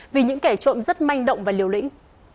vì những kẻ trộm rất manh động và liều lĩnh